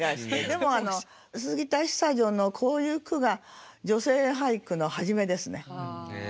でも杉田久女のこういう句が女性俳句のはじめですね。